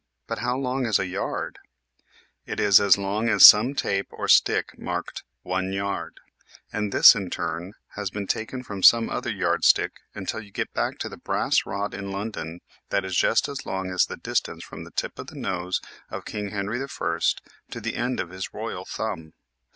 But how long is a yard ? It is as long as some tape or stick marked " one yard," and this in turn has been taken from some other yardstick, until you get back to the brass rod in London that is just as long as the distance from the tip of the nose of King Henry I to the end of his royal thumb.